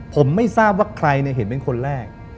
ผมไม่ทราบว่าใครเห็นเป็นคนแรก